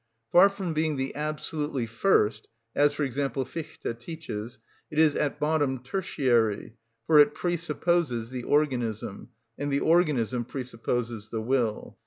Far from being the absolutely first (as, for example, Fichte teaches), it is at bottom tertiary, for it presupposes the organism, and the organism presupposes the will.